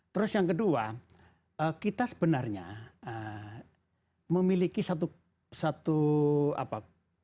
terus yang kedua kita sebenarnya memiliki satu apa